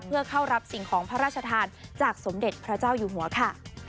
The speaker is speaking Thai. เพื่อเข้ารับสิ่งของพระราชทานจากสมเด็จพระเจ้าอยู่หัวค่ะ